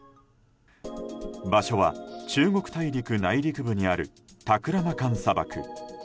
場所は中国大陸内陸部にあるタクラマカン砂漠。